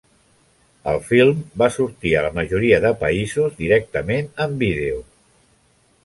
El film va sortir a la majoria de països directament en vídeo.